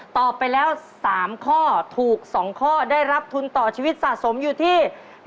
ตอบไปแล้ว๓ข้อถูก๒ข้อได้รับทุนต่อชีวิตสะสมอยู่ที่